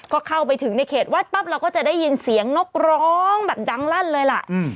ก็เข้าไปถึงในเขตวัดปั๊บเราก็จะได้ยินเสียงนกร้องแบบดังลั่นเลยล่ะ